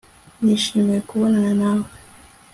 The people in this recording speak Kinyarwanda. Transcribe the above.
Nishimiye kubonana nawe